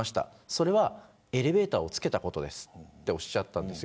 それはエレベーターを付けたことですとおっしゃったんです。